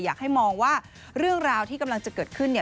อยากให้มองว่าเรื่องราวที่กำลังจะเกิดขึ้น